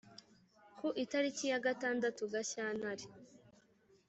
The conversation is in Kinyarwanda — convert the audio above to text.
ku itariki ya gatadatu gashyantare